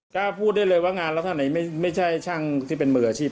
กล้าพูดได้เลยว่างานลักษณะไหนไม่ใช่ช่างที่เป็นมืออาชีพ